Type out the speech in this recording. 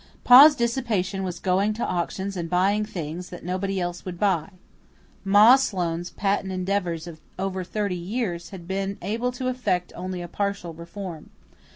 Pa Sloane's dissipation was going to auctions and buying things that nobody else would buy. Ma Sloane's patient endeavours of over thirty years had been able to effect only a partial reform.